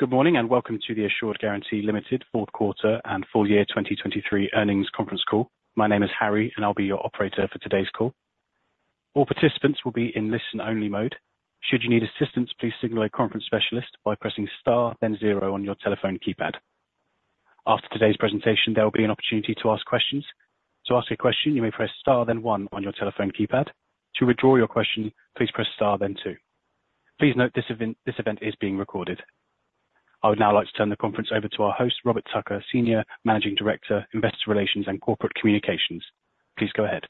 Good morning and welcome to the Assured Guaranty Limited Q4 and full year 2023 earnings conference call. My name is Harry, and I'll be your operator for today's call. All participants will be in listen-only mode. Should you need assistance, please signal a conference specialist by pressing star, then zero on your telephone keypad. After today's presentation, there will be an opportunity to ask questions. To ask a question, you may press star, then one on your telephone keypad. To withdraw your question, please press star, then two. Please note this event is being recorded. I would now like to turn the conference over to our host, Robert Tucker, Senior Managing Director, Investor Relations, and Corporate Communications. Please go ahead.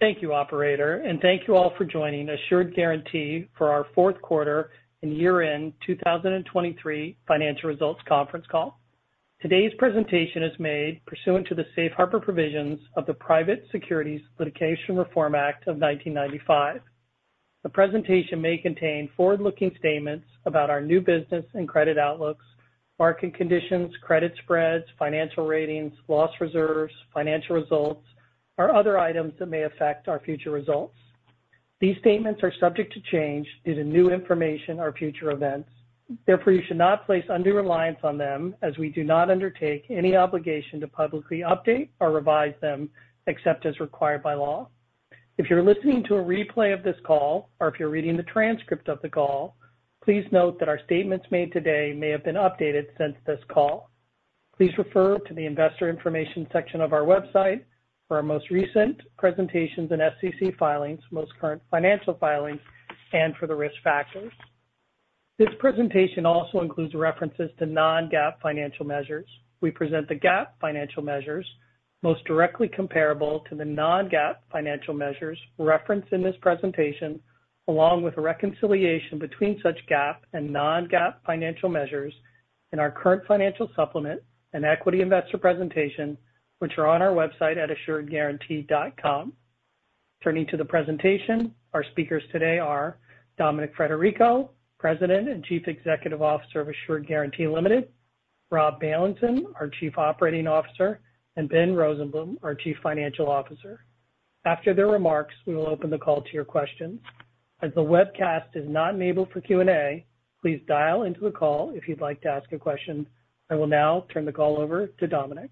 Thank you, Operator, and thank you all for joining Assured Guaranty for our Q4 and year-end 2023 financial results conference call. Today's presentation is made pursuant to the Safe Harbor provisions of the Private Securities Litigation Reform Act of 1995. The presentation may contain forward-looking statements about our new business and credit outlooks, market conditions, credit spreads, financial ratings, loss reserves, financial results, or other items that may affect our future results. These statements are subject to change due to new information or future events. Therefore, you should not place undue reliance on them as we do not undertake any obligation to publicly update or revise them except as required by law. If you're listening to a replay of this call or if you're reading the transcript of the call, please note that our statements made today may have been updated since this call. Please refer to the Investor Information section of our website for our most recent presentations and SEC filings, most current financial filings, and for the risk factors. This presentation also includes references to non-GAAP financial measures. We present the GAAP financial measures most directly comparable to the non-GAAP financial measures referenced in this presentation, along with a reconciliation between such GAAP and non-GAAP financial measures in our current financial supplement and equity investor presentation, which are on our website at assuredguaranty.com. Turning to the presentation, our speakers today are Dominic Frederico, President and Chief Executive Officer of Assured Guaranty Ltd., Rob Bailenson, our Chief Operating Officer, and Ben Rosenblum, our Chief Financial Officer. After their remarks, we will open the call to your questions. As the webcast is not enabled for Q&A, please dial into the call if you'd like to ask a question. I will now turn the call over to Dominic.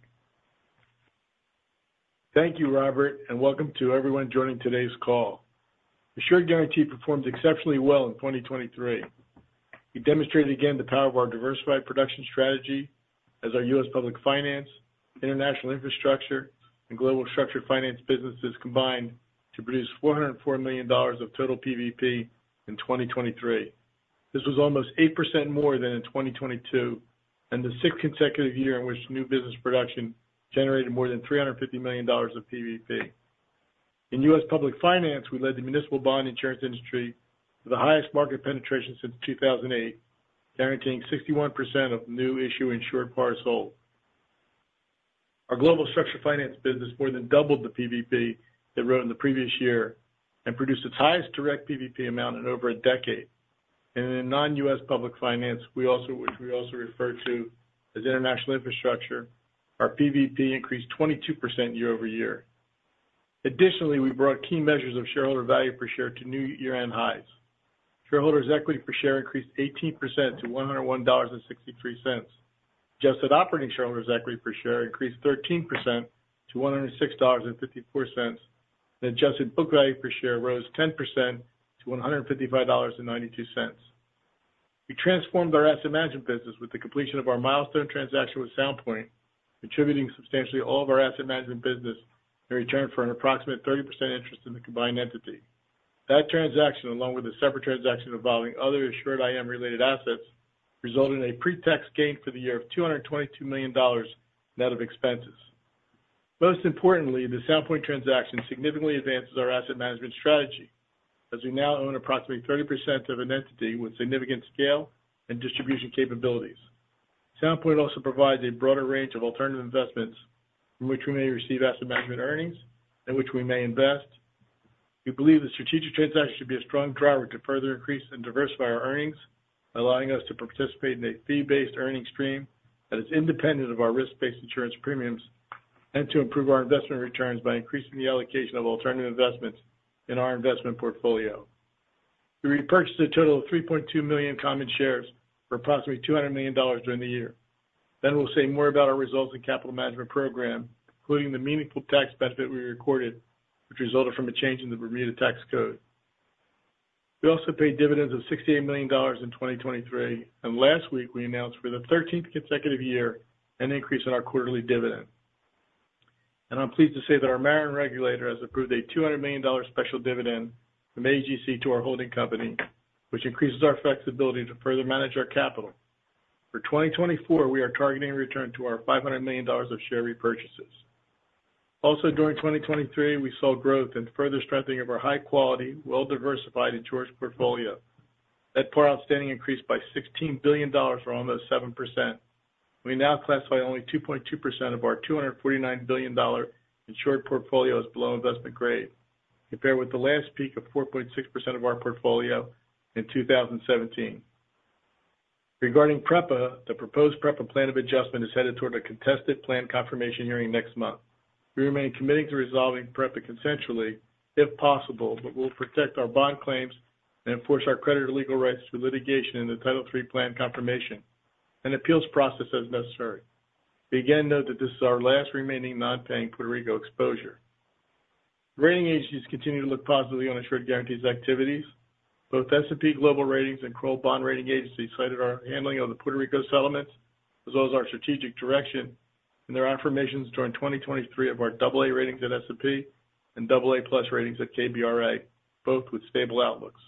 Thank you, Robert, and welcome to everyone joining today's call. Assured Guaranty performed exceptionally well in 2023. It demonstrated again the power of our diversified production strategy as our U.S. public finance, international infrastructure, and global structured finance businesses combined to produce $404 million of total PVP in 2023. This was almost 8% more than in 2022, and the sixth consecutive year in which new business production generated more than $350 million of PVP. In U.S. public finance, we led the municipal bond insurance industry with the highest market penetration since 2008, guaranteeing 61% of new issue insured par sold. Our global structured finance business more than doubled the PVP it wrote in the previous year and produced its highest direct PVP amount in over a decade. In non-U.S. public finance, which we also refer to as international infrastructure, our PVP increased 22% year-over-year. Additionally, we brought key measures of shareholder value per share to new year-end highs. Shareholders' equity per share increased 18% to $101.63. Adjusted operating shareholders' equity per share increased 13% to $106.54, and adjusted book value per share rose 10% to $155.92. We transformed our asset management business with the completion of our milestone transaction with Sound Point, contributing substantially all of our asset management business in return for an approximate 30% interest in the combined entity. That transaction, along with a separate transaction involving other Assured IM-related assets, resulted in a pretax gain for the year of $222 million net of expenses. Most importantly, the Sound Point transaction significantly advances our asset management strategy as we now own approximately 30% of an entity with significant scale and distribution capabilities. Sound Point also provides a broader range of alternative investments from which we may receive asset management earnings and which we may invest. We believe the strategic transaction should be a strong driver to further increase and diversify our earnings, allowing us to participate in a fee-based earnings stream that is independent of our risk-based insurance premiums and to improve our investment returns by increasing the allocation of alternative investments in our investment portfolio. We repurchased a total of 3.2 million common shares for approximately $200 million during the year. Ben will say more about our results and capital management program, including the meaningful tax benefit we recorded, which resulted from a change in the Bermuda tax code. We also paid dividends of $68 million in 2023, and last week we announced for the 13th consecutive year an increase in our quarterly dividend. I'm pleased to say that our Maryland regulator has approved a $200 million special dividend from AGC to our holding company, which increases our flexibility to further manage our capital. For 2024, we are targeting a return to our $500 million of share repurchases. Also during 2023, we saw growth and further strengthening of our high-quality, well-diversified insurance portfolio. That Par outstanding increased by $16 billion or almost 7%. We now classify only 2.2% of our $249 billion insured portfolio as below investment grade, compared with the last peak of 4.6% of our portfolio in 2017. Regarding PREPA, the proposed PREPA plan of adjustment is headed toward a contested plan confirmation hearing next month. We remain committed to resolving PREPA consensually if possible, but we'll protect our bond claims and enforce our creditor legal rights through litigation and the Title III plan confirmation and appeals process as necessary. We again note that this is our last remaining non-paying Puerto Rico exposure. Rating agencies continue to look positively on Assured Guaranty's activities. Both S&P Global Ratings and Kroll Bond Rating Agency cited our handling of the Puerto Rico settlements as well as our strategic direction in their affirmations during 2023 of our AA ratings at S&P and AA+ ratings at KBRA, both with stable outlooks.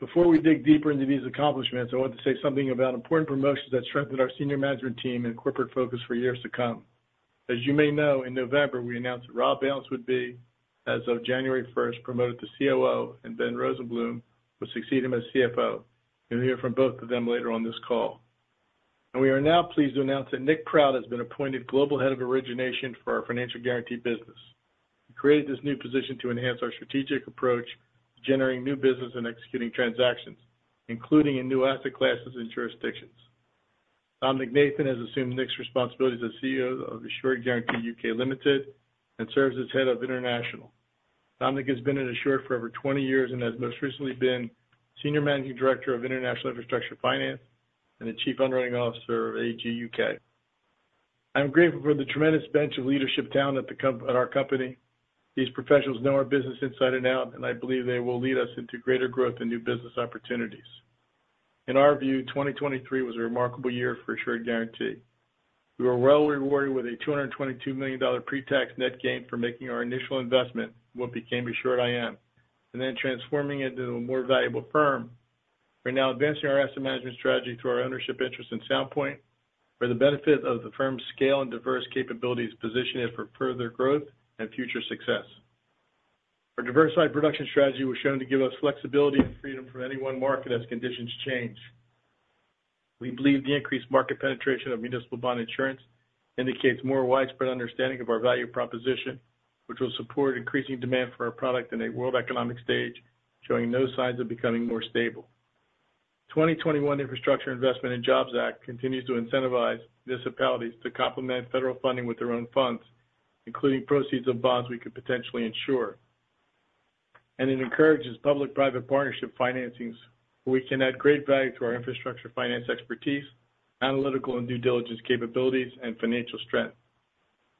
Before we dig deeper into these accomplishments, I want to say something about important promotions that strengthened our senior management team and corporate focus for years to come. As you may know, in November we announced that Rob Bailenson would be, as of January 1st, promoted to COO, and Ben Rosenblum would succeed him as CFO. You'll hear from both of them later on this call. We are now pleased to announce that Nick Proud has been appointed Global Head of Origination for our financial guarantee business. He created this new position to enhance our strategic approach generating new business and executing transactions, including in new asset classes and jurisdictions. Dominic Nathan has assumed Nick's responsibilities as CEO of Assured Guaranty UK Limited and serves as head of international. Dominic has been in Assured for over 20 years and has most recently been Senior Managing Director of International Infrastructure Finance and the Chief Underlying Officer of AG UK. I am grateful for the tremendous bench of leadership talent at our company. These professionals know our business inside and out, and I believe they will lead us into greater growth and new business opportunities. In our view, 2023 was a remarkable year for Assured Guaranty. We were well rewarded with a $222 million pretax net gain for making our initial investment in what became Assured IM and then transforming it into a more valuable firm. We're now advancing our asset management strategy through our ownership interest in Sound Point for the benefit of the firm's scale and diverse capabilities positioned for further growth and future success. Our diversified production strategy was shown to give us flexibility and freedom from any one market as conditions change. We believe the increased market penetration of municipal bond insurance indicates more widespread understanding of our value proposition, which will support increasing demand for our product in a world economic stage showing no signs of becoming more stable. The 2021 Infrastructure Investment and Jobs Act continues to incentivize municipalities to complement federal funding with their own funds, including proceeds of bonds we could potentially insure. It encourages public-private partnership financings where we can add great value to our infrastructure finance expertise, analytical and due diligence capabilities, and financial strength.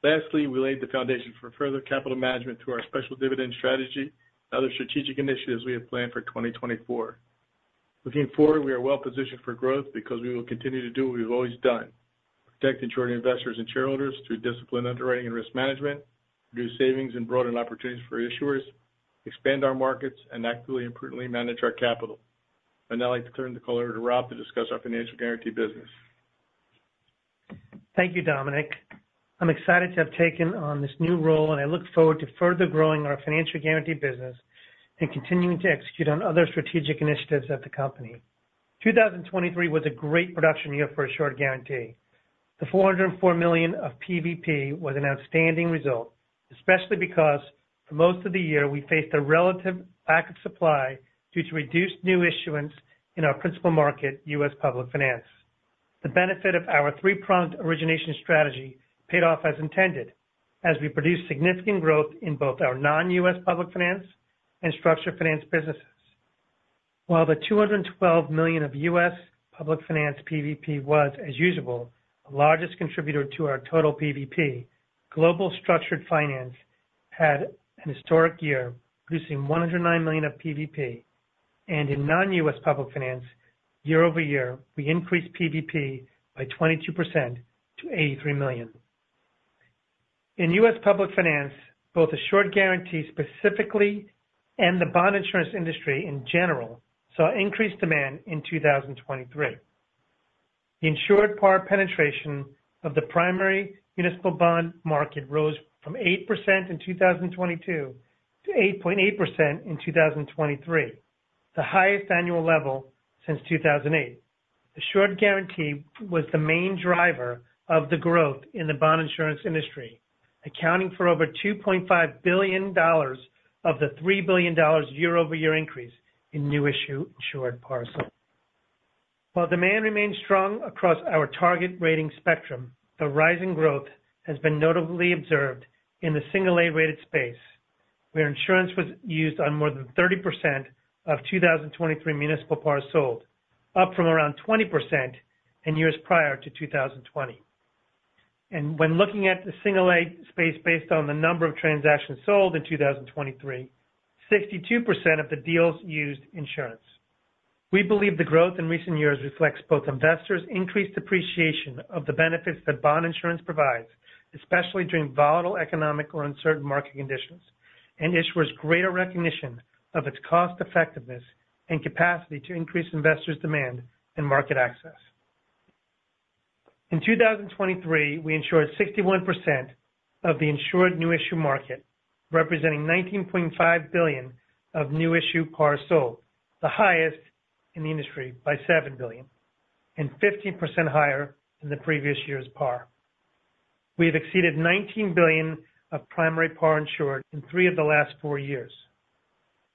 Lastly, we laid the foundation for further capital management through our special dividend strategy and other strategic initiatives we have planned for 2024. Looking forward, we are well positioned for growth because we will continue to do what we've always done: protect insured investors and shareholders through disciplined underwriting and risk management, reduce savings and broaden opportunities for issuers, expand our markets, and actively and prudently manage our capital. I would now like to turn the call over to Rob to discuss our financial guarantee business. Thank you, Dominic. I'm excited to have taken on this new role, and I look forward to further growing our financial guarantee business and continuing to execute on other strategic initiatives at the company. 2023 was a great production year for Assured Guaranty. The $404 million of PVP was an outstanding result, especially because for most of the year we faced a relative lack of supply due to reduced new issuance in our principal market, U.S. public finance. The benefit of our three-pronged origination strategy paid off as intended as we produced significant growth in both our non-U.S. public finance and structured finance businesses. While the $212 million of U.S. public finance PVP was, as usual, the largest contributor to our total PVP, global structured finance had an historic year producing $109 million of PVP. In non-US public finance, year-over-year, we increased PVP by 22% to $83 million. In US public finance, both Assured Guaranty specifically and the bond insurance industry in general saw increased demand in 2023. The insured par penetration of the primary municipal bond market rose from 8% in 2022 to 8.8% in 2023, the highest annual level since 2008. Assured Guaranty was the main driver of the growth in the bond insurance industry, accounting for over $2.5 billion of the $3 billion year-over-year increase in new issue insured pars sold. While demand remains strong across our target rating spectrum, the rising growth has been notably observed in the single-A rated space where insurance was used on more than 30% of 2023 municipal pars sold, up from around 20% in years prior to 2020. When looking at the single-A space based on the number of transactions sold in 2023, 62% of the deals used insurance. We believe the growth in recent years reflects both investors' increased appreciation of the benefits that bond insurance provides, especially during volatile economic or uncertain market conditions, and issuers' greater recognition of its cost-effectiveness and capacity to increase investors' demand and market access. In 2023, we insured 61% of the insured new issue market, representing $19.5 billion of new issue par sold, the highest in the industry by $7 billion, and 15% higher than the previous year's par. We have exceeded $19 billion of primary par insured in three of the last four years.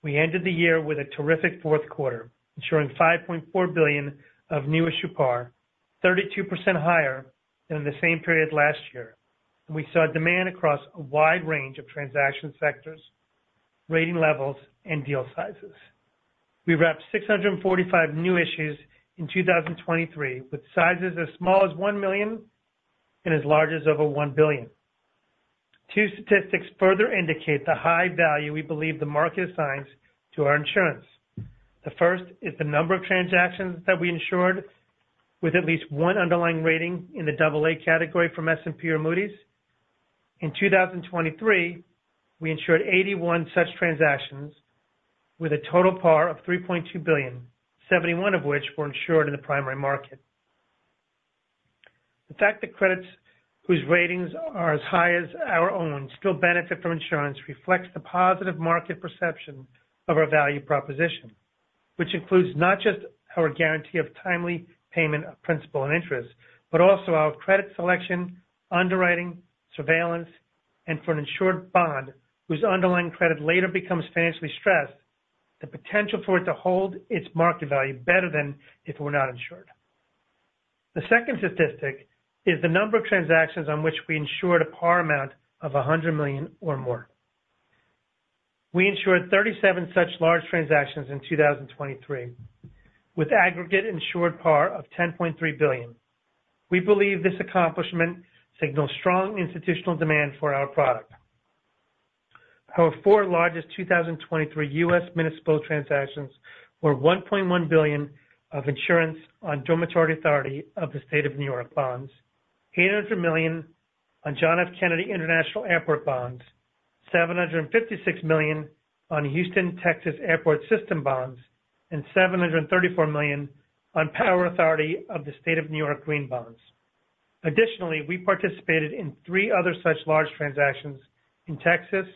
We ended the year with a terrific Q4, insuring $5.4 billion of new issue par, 32% higher than in the same period last year. We saw demand across a wide range of transaction sectors, rating levels, and deal sizes. We wrapped 645 new issues in 2023 with sizes as small as $1 million and as large as over $1 billion. Two statistics further indicate the high value we believe the market assigns to our insurance. The first is the number of transactions that we insured with at least one underlying rating in the AA category from S&P or Moody's. In 2023, we insured 81 such transactions with a total par of $3.2 billion, 71 of which were insured in the primary market. The fact that credits whose ratings are as high as our own still benefit from insurance reflects the positive market perception of our value proposition, which includes not just our guarantee of timely payment of principal and interest, but also our credit selection, underwriting, surveillance, and for an insured bond whose underlying credit later becomes financially stressed, the potential for it to hold its market value better than if it were not insured. The second statistic is the number of transactions on which we insured a par amount of $100 million or more. We insured 37 such large transactions in 2023 with aggregate insured par of $10.3 billion. We believe this accomplishment signals strong institutional demand for our product. Our four largest 2023 U.S. municipal transactions were $1.1 billion of insurance on Dormitory Authority of the State of New York bonds, $800 million on John F. Kennedy International Airport bonds, $756 million on Houston Airport System bonds, and $734 million on Power Authority of the State of New York green bonds. Additionally, we participated in three other such large transactions in Texas,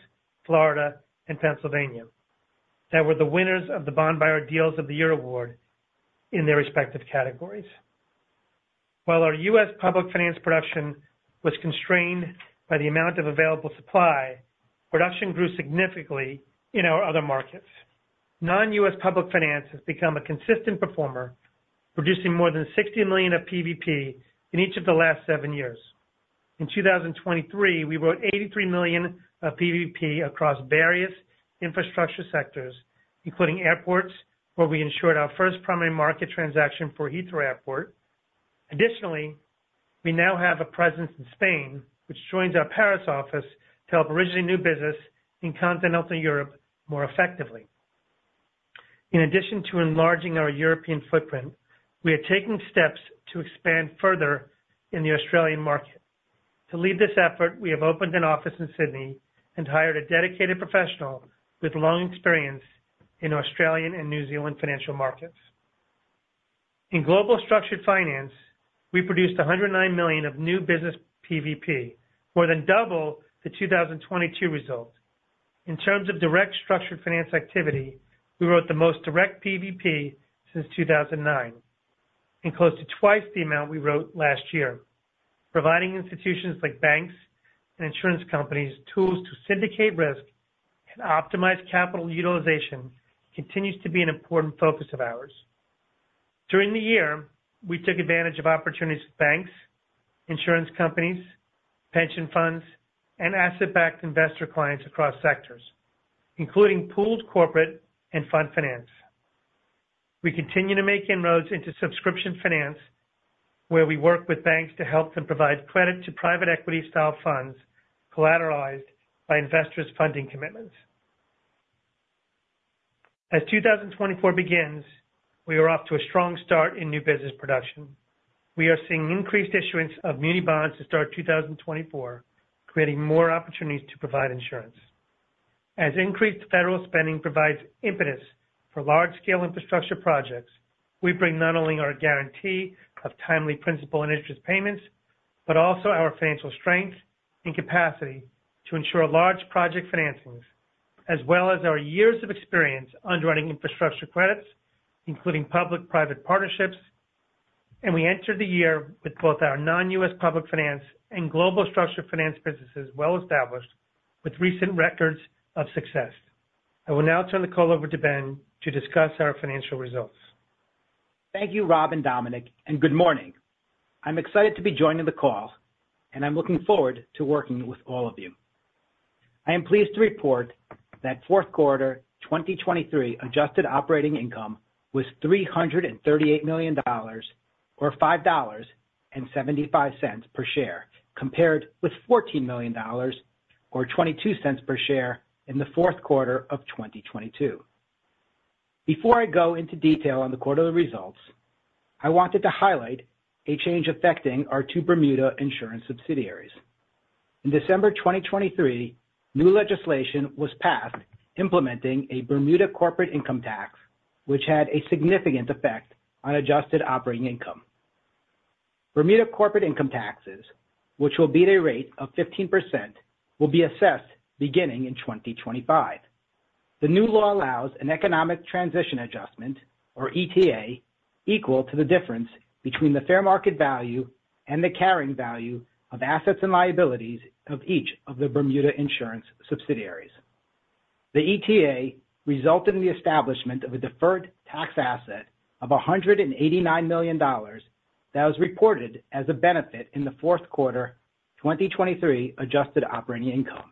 Florida, and Pennsylvania that were the winners of the Bond Buyer Deals of the Year award in their respective categories. While our U.S. public finance production was constrained by the amount of available supply, production grew significantly in our other markets. Non-U.S. public finance has become a consistent performer, producing more than $60 million of PVP in each of the last seven years. In 2023, we wrote $83 million of PVP across various infrastructure sectors, including airports where we insured our first primary market transaction for Heathrow Airport. Additionally, we now have a presence in Spain, which joins our Paris office to help originate new business in continental Europe more effectively. In addition to enlarging our European footprint, we are taking steps to expand further in the Australian market. To lead this effort, we have opened an office in Sydney and hired a dedicated professional with long experience in Australian and New Zealand financial markets. In global structured finance, we produced $109 million of new business PVP, more than double the 2022 result. In terms of direct structured finance activity, we wrote the most direct PVP since 2009 and close to twice the amount we wrote last year. Providing institutions like banks and insurance companies tools to syndicate risk and optimize capital utilization continues to be an important focus of ours. During the year, we took advantage of opportunities with banks, insurance companies, pension funds, and asset-backed investor clients across sectors, including pooled corporate and fund finance. We continue to make inroads into subscription finance where we work with banks to help them provide credit to private equity-style funds collateralized by investors' funding commitments. As 2024 begins, we are off to a strong start in new business production. We are seeing increased issuance of Muni bonds to start 2024, creating more opportunities to provide insurance. As increased federal spending provides impetus for large-scale infrastructure projects, we bring not only our guarantee of timely principal and interest payments but also our financial strength and capacity to ensure large project financings, as well as our years of experience underwriting infrastructure credits, including public-private partnerships. We entered the year with both our non-US public finance and global structured finance businesses well established with recent records of success. I will now turn the call over to Ben to discuss our financial results. Thank you, Rob and Dominic, and good morning. I'm excited to be joining the call, and I'm looking forward to working with all of you. I am pleased to report that Q4 2023 adjusted operating income was $338 million or $5.75 per share, compared with $14 million or $0.22 per share in the Q4 of 2022. Before I go into detail on the quarterly results, I wanted to highlight a change affecting our two Bermuda insurance subsidiaries. In December 2023, new legislation was passed implementing a Bermuda corporate income tax, which had a significant effect on adjusted operating income. Bermuda corporate income taxes, which will be at a rate of 15%, will be assessed beginning in 2025. The new law allows an economic transition adjustment, or ETA, equal to the difference between the fair market value and the carrying value of assets and liabilities of each of the Bermuda insurance subsidiaries. The ETA resulted in the establishment of a deferred tax asset of $189 million that was reported as a benefit in the Q4 2023 Adjusted Operating Income.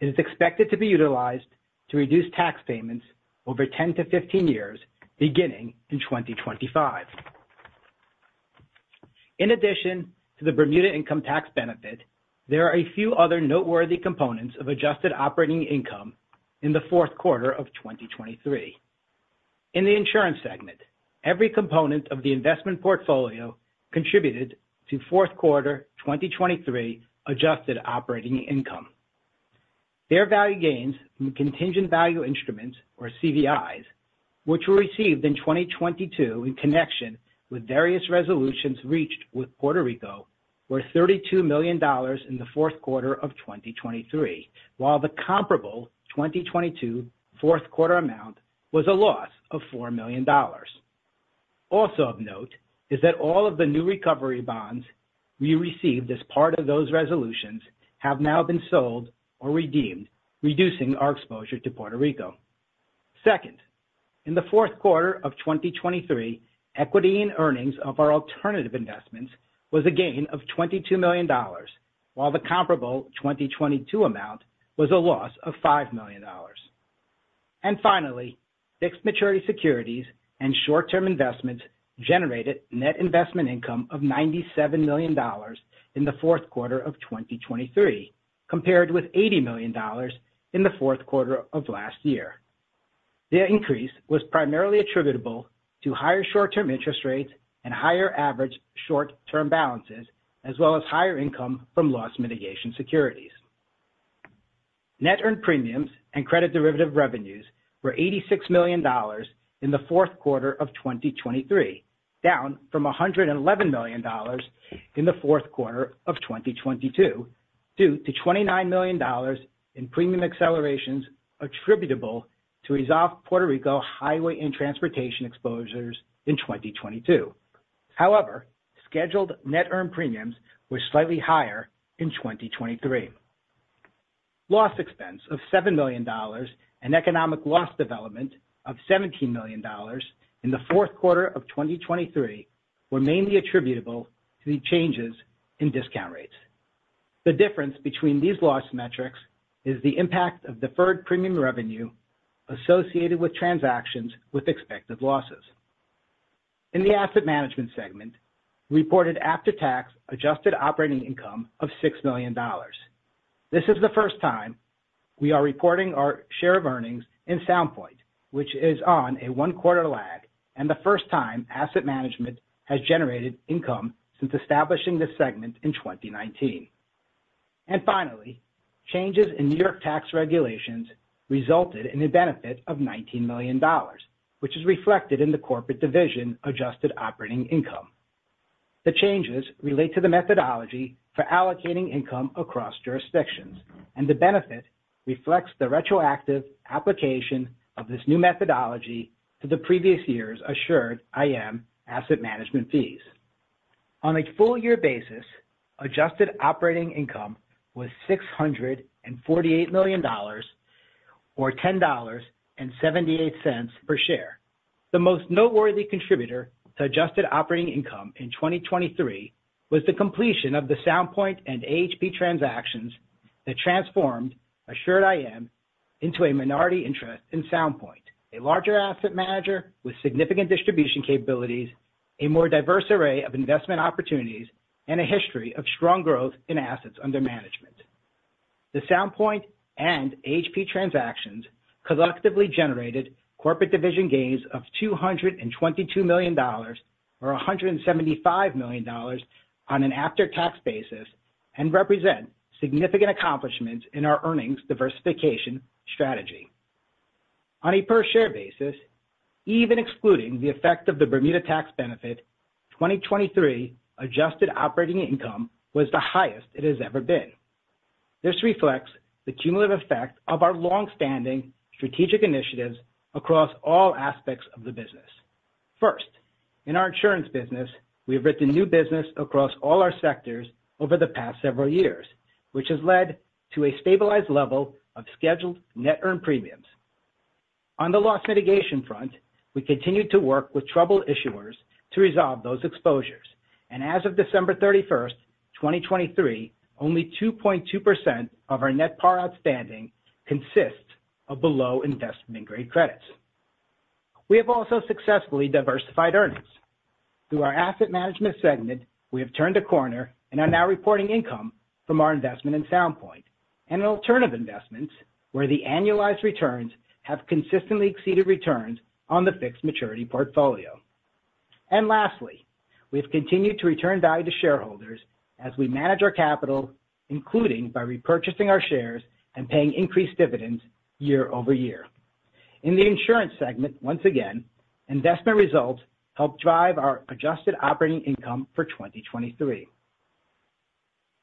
It is expected to be utilized to reduce tax payments over 10-15 years, beginning in 2025. In addition to the Bermuda income tax benefit, there are a few other noteworthy components of Adjusted Operating Income in the Q4 of 2023. In the insurance segment, every component of the investment portfolio contributed to Q4 2023 Adjusted Operating Income. Their value gains from contingent value instruments, or CVIs, which were received in 2022 in connection with various resolutions reached with Puerto Rico, were $32 million in the Q4 of 2023, while the comparable 2022 Q4 amount was a loss of $4 million. Also of note is that all of the new recovery bonds we received as part of those resolutions have now been sold or redeemed, reducing our exposure to Puerto Rico. Second, in the Q4 of 2023, equity and earnings of our alternative investments was a gain of $22 million, while the comparable 2022 amount was a loss of $5 million. And finally, fixed maturity securities and short-term investments generated net investment income of $97 million in the Q4 of 2023, compared with $80 million in the Q4 of last year. The increase was primarily attributable to higher short-term interest rates and higher average short-term balances, as well as higher income from loss mitigation securities. Net earned premiums and credit derivative revenues were $86 million in the Q4 of 2023, down from $111 million in the Q4 of 2022 due to $29 million in premium accelerations attributable to resolved Puerto Rico highway and transportation exposures in 2022. However, scheduled net earned premiums were slightly higher in 2023. Loss expense of $7 million and economic loss development of $17 million in the Q4 of 2023 were mainly attributable to the changes in discount rates. The difference between these loss metrics is the impact of deferred premium revenue associated with transactions with expected losses. In the asset management segment, we reported after-tax adjusted operating income of $6 million. This is the first time we are reporting our share of earnings in Sound Point, which is on a one-quarter lag, and the first time asset management has generated income since establishing this segment in 2019. And finally, changes in New York tax regulations resulted in a benefit of $19 million, which is reflected in the corporate division adjusted operating income. The changes relate to the methodology for allocating income across jurisdictions, and the benefit reflects the retroactive application of this new methodology to the previous year's Assured IM asset management fees. On a full-year basis, adjusted operating income was $648 million or $10.78 per share. The most noteworthy contributor to adjusted operating income in 2023 was the completion of the Sound Point and AHP transactions that transformed Assured IM into a minority interest in Sound Point, a larger asset manager with significant distribution capabilities, a more diverse array of investment opportunities, and a history of strong growth in assets under management. The Sound Point and AHP transactions collectively generated corporate division gains of $222 million or $175 million on an after-tax basis and represent significant accomplishments in our earnings diversification strategy. On a per-share basis, even excluding the effect of the Bermuda tax benefit, 2023 adjusted operating income was the highest it has ever been. This reflects the cumulative effect of our longstanding strategic initiatives across all aspects of the business. First, in our insurance business, we have written new business across all our sectors over the past several years, which has led to a stabilized level of scheduled net earned premiums. On the loss mitigation front, we continue to work with troubled issuers to resolve those exposures, and as of December 31, 2023, only 2.2% of our net par outstanding consists of below-investment-grade credits. We have also successfully diversified earnings. Through our asset management segment, we have turned a corner in our now-reporting income from our investment in Sound Point and in alternative investments where the annualized returns have consistently exceeded returns on the fixed maturity portfolio. And lastly, we have continued to return value to shareholders as we manage our capital, including by repurchasing our shares and paying increased dividends year-over-year. In the insurance segment, once again, investment results helped drive our adjusted operating income for 2023.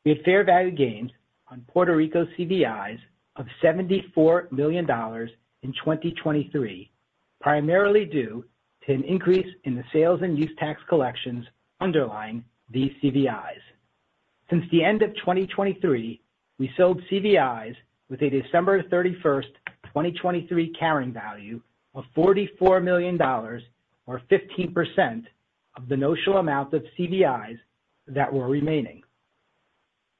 We had fair value gains on Puerto Rico CVIs of $74 million in 2023, primarily due to an increase in the sales and use tax collections underlying these CVIs. Since the end of 2023, we sold CVIs with a December 31, 2023 carrying value of $44 million or 15% of the notional amount of CVIs that were remaining.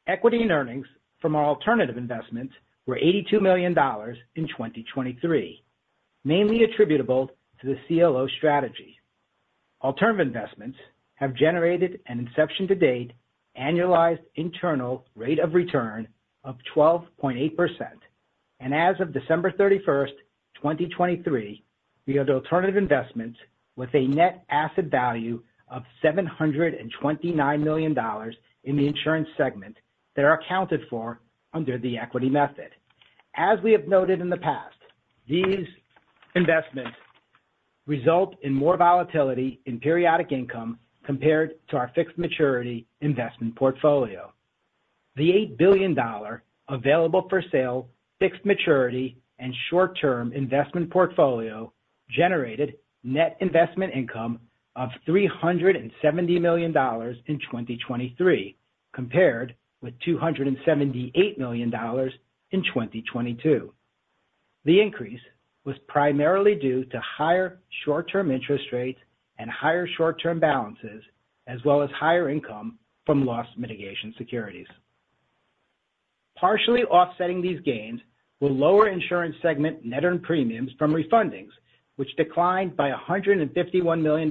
Equity and earnings from our alternative investments were $82 million in 2023, mainly attributable to the CLO strategy. Alternative investments have generated, and inception to date, annualized internal rate of return of 12.8%. As of December 31, 2023, we had alternative investments with a net asset value of $729 million in the insurance segment that are accounted for under the equity method. As we have noted in the past, these investments result in more volatility in periodic income compared to our fixed maturity investment portfolio. The $8 billion available for sale fixed maturity and short-term investment portfolio generated net investment income of $370 million in 2023 compared with $278 million in 2022. The increase was primarily due to higher short-term interest rates and higher short-term balances, as well as higher income from loss mitigation securities. Partially offsetting these gains were lower insurance segment net earned premiums from refundings, which declined by $151 million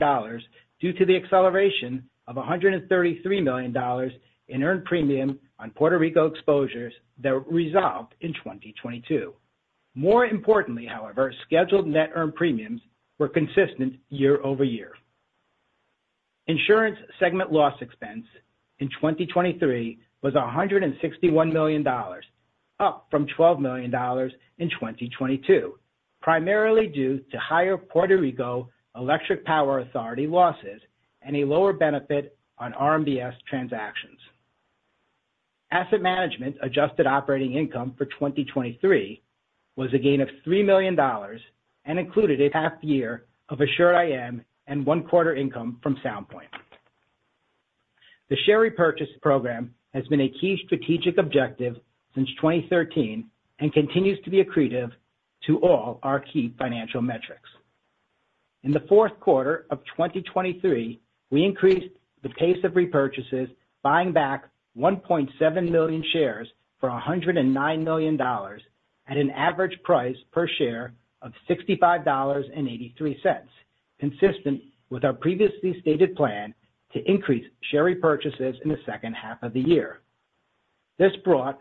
due to the acceleration of $133 million in earned premium on Puerto Rico exposures that resolved in 2022. More importantly, however, scheduled net earned premiums were consistent year-over-year. Insurance segment loss expense in 2023 was $161 million, up from $12 million in 2022, primarily due to higher Puerto Rico Electric Power Authority losses and a lower benefit on RMBS transactions. Asset management adjusted operating income for 2023 was a gain of $3 million and included a half-year of Assured IM and one-quarter income from Sound Point. The share repurchase program has been a key strategic objective since 2013 and continues to be accretive to all our key financial metrics. In the Q4 of 2023, we increased the pace of repurchases, buying back 1.7 million shares for $109 million at an average price per share of $65.83, consistent with our previously stated plan to increase share repurchases in the second half of the year. This brought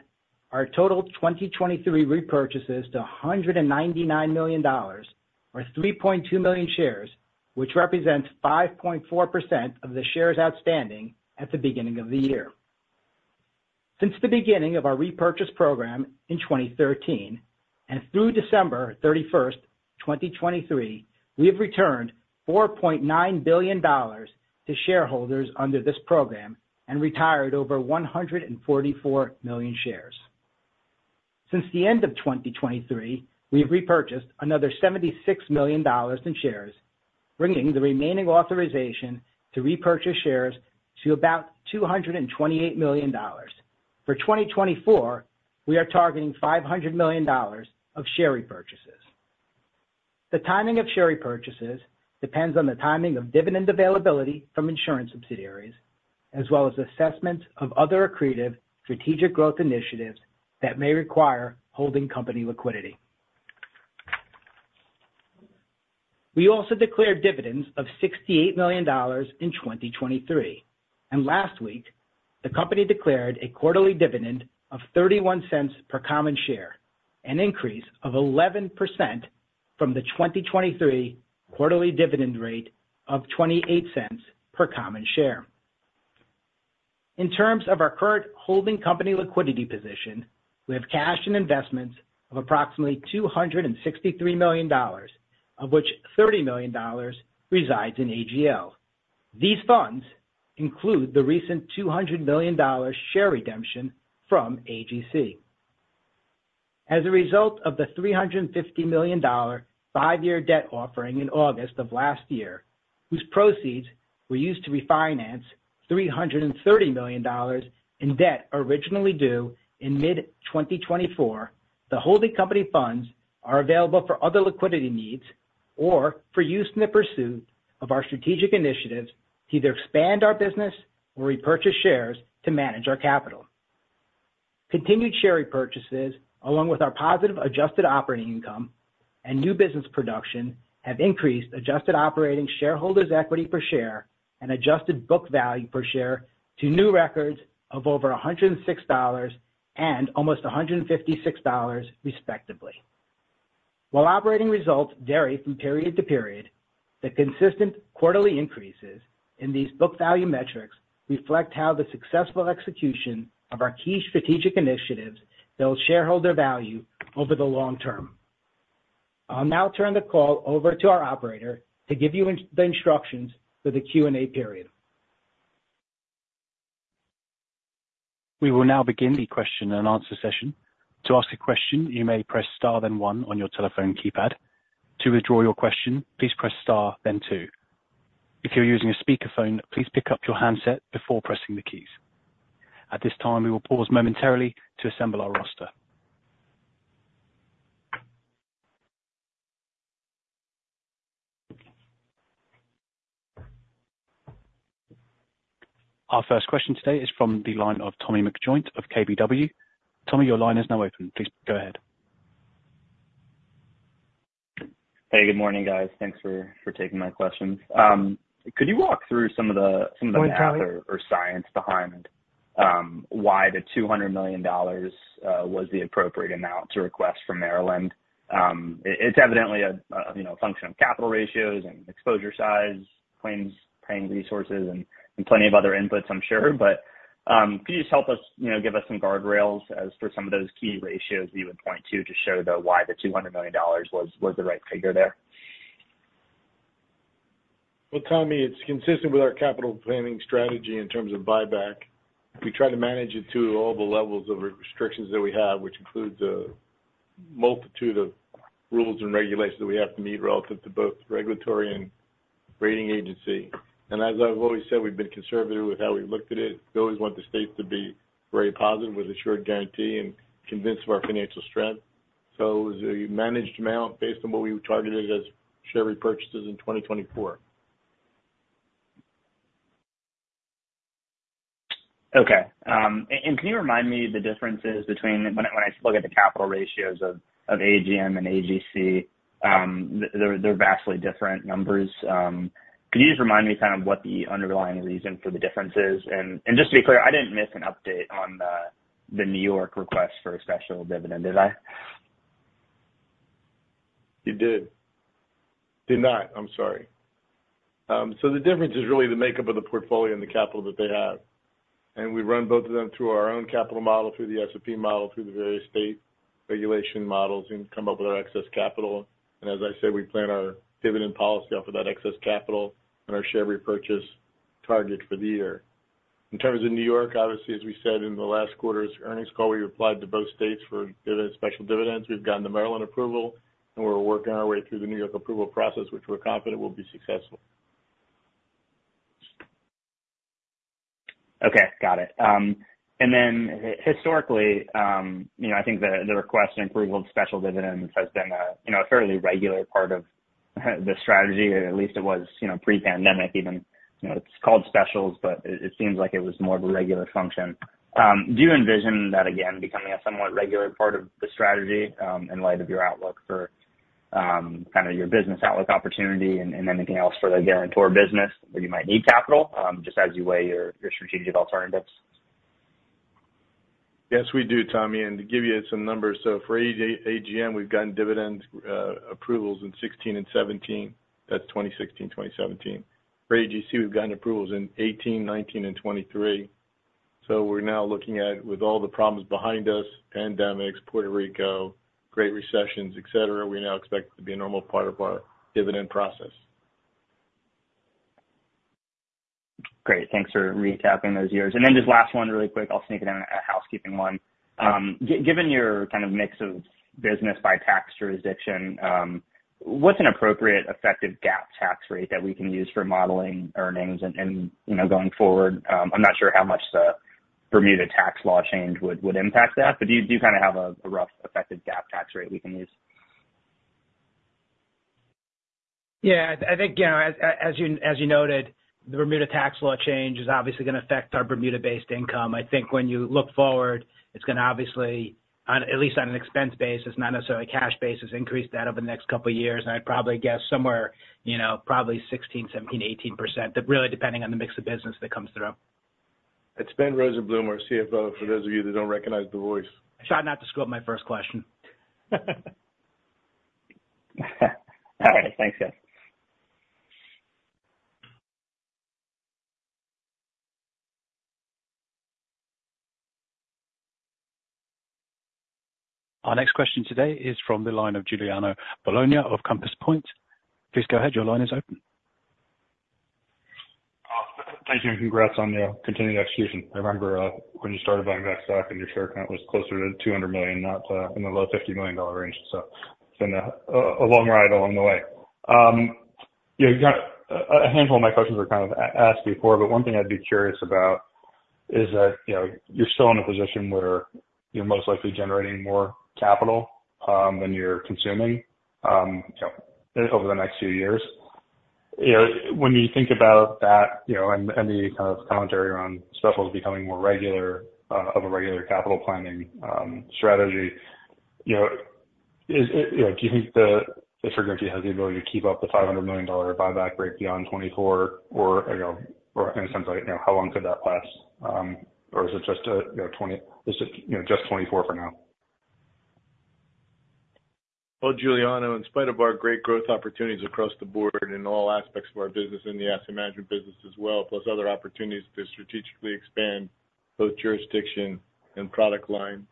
our total 2023 repurchases to $199 million or 3.2 million shares, which represents 5.4% of the shares outstanding at the beginning of the year. Since the beginning of our repurchase program in 2013 and through December 31, 2023, we have returned $4.9 billion to shareholders under this program and retired over 144 million shares. Since the end of 2023, we have repurchased another $76 million in shares, bringing the remaining authorization to repurchase shares to about $228 million. For 2024, we are targeting $500 million of share repurchases. The timing of share repurchases depends on the timing of dividend availability from insurance subsidiaries, as well as assessments of other accretive strategic growth initiatives that may require holding company liquidity. We also declared dividends of $68 million in 2023. Last week, the company declared a quarterly dividend of $0.31 per common share, an increase of 11% from the 2023 quarterly dividend rate of $0.28 per common share. In terms of our current holding company liquidity position, we have cash and investments of approximately $263 million, of which $30 million resides in AGL. These funds include the recent $200 million share redemption from AGC. As a result of the $350 million five-year debt offering in August of last year, whose proceeds were used to refinance $330 million in debt originally due in mid-2024, the holding company funds are available for other liquidity needs or for use in the pursuit of our strategic initiatives to either expand our business or repurchase shares to manage our capital. Continued share repurchases, along with our positive Adjusted Operating Income and new business production, have increased Adjusted Operating Shareholders' Equity per share and Adjusted Book Value per share to new records of over $106 and almost $156, respectively. While operating results vary from period to period, the consistent quarterly increases in these book value metrics reflect how the successful execution of our key strategic initiatives builds shareholder value over the long term. I'll now turn the call over to our operator to give you the instructions for the Q&A period. We will now begin the Q&A session. To ask a question, you may press star then one on your telephone keypad. To withdraw your question, please press star then two. If you're using a speakerphone, please pick up your handset before pressing the keys. At this time, we will pause momentarily to assemble our roster. Our first question today is from the line of Tommy McJoynt of KBW. Tommy, your line is now open. Please go ahead. Hey, good morning, guys. Thanks for taking my questions. Could you walk through some of the math or science behind why the $200 million was the appropriate amount to request from Maryland? It's evidently a function of capital ratios and exposure size, claims paying resources, and plenty of other inputs, I'm sure. But could you just help us give us some guardrails as for some of those key ratios that you would point to to show why the $200 million was the right figure there? Well, Tommy, it's consistent with our capital planning strategy in terms of buyback. We try to manage it through all the levels of restrictions that we have, which includes a multitude of rules and regulations that we have to meet relative to both regulatory and rating agency. And as I've always said, we've been conservative with how we've looked at it. We always want the states to be very positive with Assured Guaranty and convinced of our financial strength. So it was a managed amount based on what we targeted as share repurchases in 2024. Okay. And can you remind me the differences between when I look at the capital ratios of AGM and AGC, they're vastly different numbers. Could you just remind me kind of what the underlying reason for the difference is? And just to be clear, I didn't miss an update on the New York request for a special dividend, did I? You did. Did not. I'm sorry. So the difference is really the makeup of the portfolio and the capital that they have. We run both of them through our own capital model, through the S&P model, through the various state regulation models, and come up with our excess capital. As I said, we plan our dividend policy off of that excess capital and our share repurchase target for the year. In terms of New York, obviously, as we said in the last quarter's earnings call, we applied to both states for special dividends. We've gotten the Maryland approval, and we're working our way through the New York approval process, which we're confident will be successful. Okay. Got it. And then historically, I think the request and approval of special dividends has been a fairly regular part of the strategy, or at least it was pre-pandemic even. It's called specials, but it seems like it was more of a regular function. Do you envision that, again, becoming a somewhat regular part of the strategy in light of your outlook for kind of your business outlook opportunity and anything else for the Guarantor business where you might need capital just as you weigh your strategic alternatives? Yes, we do, Tommy. To give you some numbers, for AGM, we've gotten dividend approvals in 2016 and 2017. That's 2016, 2017. For AGC, we've gotten approvals in 2018, 2019, and 2023. We're now looking at, with all the problems behind us, pandemics, Puerto Rico, great recessions, etc., we now expect it to be a normal part of our dividend process. Great. Thanks for recapping those years. And then just last one, really quick. I'll sneak in a housekeeping one. Given your kind of mix of business by tax jurisdiction, what's an appropriate, effective GAAP tax rate that we can use for modeling earnings and going forward? I'm not sure how much the Bermuda tax law change would impact that, but do you kind of have a rough effective GAAP tax rate we can use? Yeah. I think, as you noted, the Bermuda tax law change is obviously going to affect our Bermuda-based income. I think when you look forward, it's going to obviously, at least on an expense basis, not necessarily a cash basis, increase that over the next couple of years. And I'd probably guess somewhere probably 16%, 17%, 18%, really depending on the mix of business that comes through. It's Ben Rosenblum, our CFO. For those of you that don't recognize the voice. Try not to screw up my first question. All right. Thanks, guys. Our next question today is from the line of Giuliano Bologna of Compass Point. Please go ahead. Your line is open. Thank you and congrats on your continued execution. I remember when you started buying back stock and your share count was closer to 200 million, not in the low $50 million range. So it's been a long ride along the way. A handful of my questions were kind of asked before, but one thing I'd be curious about is that you're still in a position where you're most likely generating more capital than you're consuming over the next few years. When you think about that and the kind of commentary on specials becoming more regular of a regular capital planning strategy, do you think the Assured Guaranty has the ability to keep up the $500 million buyback rate beyond 2024? Or in a sense like, how long could that last? Or is it just a is it just 2024 for now? Well, Giuliano, in spite of our great growth opportunities across the board in all aspects of our business and the asset management business as well, plus other opportunities to strategically expand both jurisdiction and product line,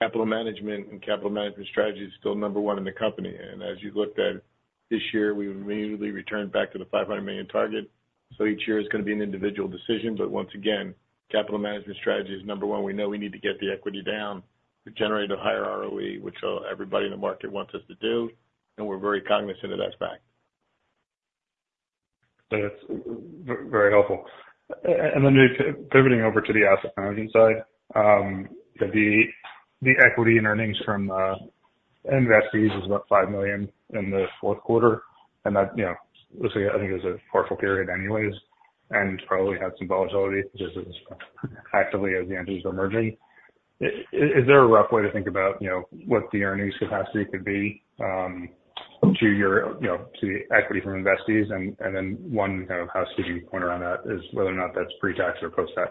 capital management and capital management strategy is still number one in the company. And as you looked at it this year, we immediately returned back to the $500 million target. So each year is going to be an individual decision. But once again, capital management strategy is number one. We know we need to get the equity down to generate a higher ROE, which everybody in the market wants us to do. And we're very cognizant of that fact. That's very helpful. And then pivoting over to the asset management side, the equity and earnings from investees is about $5 million in the Q4. And I think it was a partial period anyways and probably had some volatility just as actively as the entities are merging. Is there a rough way to think about what the earnings capacity could be to the equity from Investees? And then one kind of housekeeping point around that is whether or not that's pre-tax or post-tax.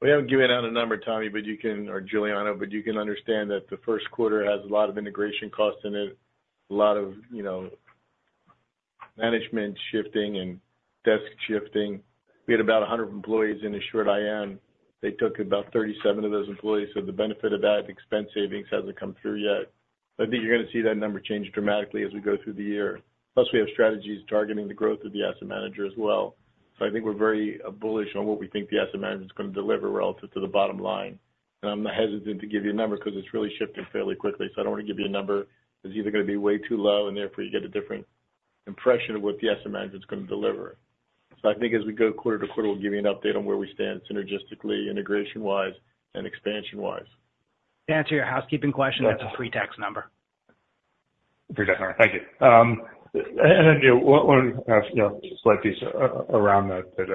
We haven't given out a number, Tommy, or Giuliano, but you can understand that the Q1 has a lot of integration costs in it, a lot of management shifting and desk shifting. We had about 100 employees in Assured IM. They took about 37 of those employees. So the benefit of that, expense savings, hasn't come through yet. I think you're going to see that number change dramatically as we go through the year. Plus, we have strategies targeting the growth of the asset manager as well. So I think we're very bullish on what we think the asset manager is going to deliver relative to the bottom line. And I'm hesitant to give you a number because it's really shifting fairly quickly. So I don't want to give you a number. It's either going to be way too low, and therefore, you get a different impression of what the asset manager is going to deliver. So I think as we go quarter to quarter, we'll give you an update on where we stand synergistically, integration-wise, and expansion-wise. To answer your housekeeping question, that's a pre-tax number. Pre-tax number. Thank you. Then one slight piece around that that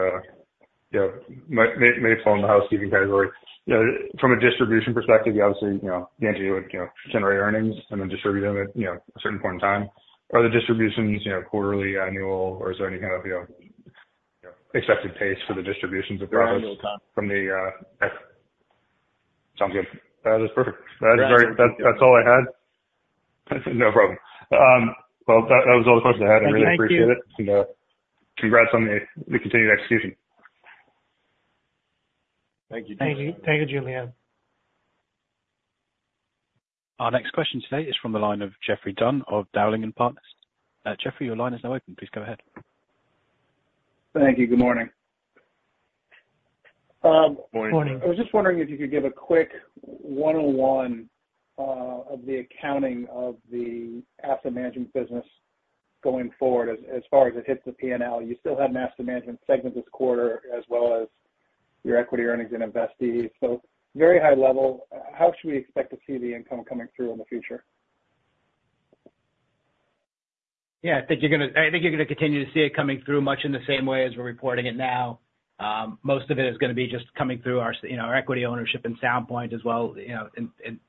may fall in the housekeeping category. From a distribution perspective, obviously, the entity would generate earnings and then distribute them at a certain point in time. Are the distributions quarterly, annual, or is there any kind of expected pace for the distributions of profits from the? Annual time. Sounds good. That's perfect. That's all I had. No problem. Well, that was all the questions I had. I really appreciate it. Congrats on the continued execution. Thank you. Thank you, Giuliano. Our next question today is from the line of Geoffrey Dunn of Dowling & Partners. Geoffrey, your line is now open. Please go ahead. Thank you. Good morning. Morning. Morning. I was just wondering if you could give a quick 101 of the accounting of the asset management business going forward as far as it hits the P&L. You still have an asset management segment this quarter as well as your equity earnings in investees. So very high level, how should we expect to see the income coming through in the future? Yeah. I think you're going to continue to see it coming through much in the same way as we're reporting it now. Most of it is going to be just coming through our equity ownership in Sound Point as well.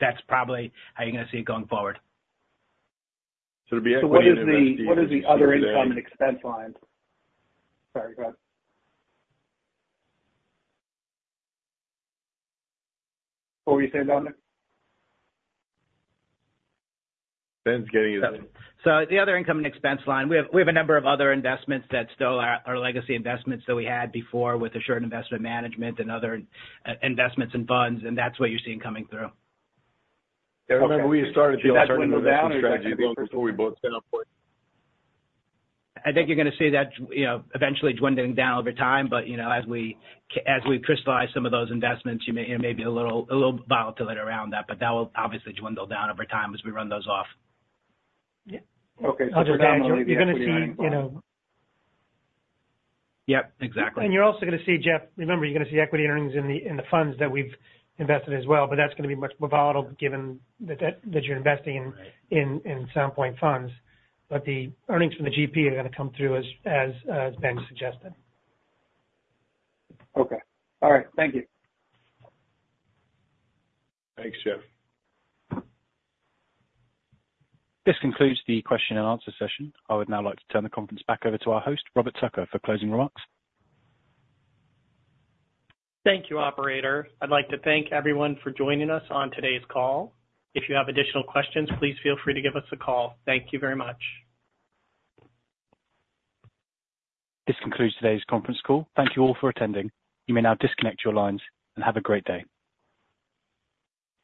That's probably how you're going to see it going forward. It'll be equity and investees. So what is the other income and expense line? Sorry. Go ahead. What were you saying, Dominic? Ben's getting his. So the other income and expense line, we have a number of other investments that still are legacy investments that we had before with Assured Investment Management and other investments and funds. And that's what you're seeing coming through. I remember we had started the Assured investment strategy before we bought Sound Point. I think you're going to see that eventually dwindling down over time. But as we crystallize some of those investments, it may be a little volatility around that. But that will obviously dwindle down over time as we run those off. Yeah. Okay. So generally, we're going to see. I'll just go ahead. Yep. Exactly. You're also going to see, Geoff, remember, you're going to see equity earnings in the funds that we've invested as well. That's going to be much more volatile given that you're investing in Sound Point funds. The earnings from the GP are going to come through as Ben suggested. Okay. All right. Thank you. Thanks, Geoff. This concludes the Q&A session. I would now like to turn the conference back over to our host, Robert Tucker, for closing remarks. Thank you, operator. I'd like to thank everyone for joining us on today's call. If you have additional questions, please feel free to give us a call. Thank you very much. This concludes today's conference call. Thank you all for attending. You may now disconnect your lines and have a great day.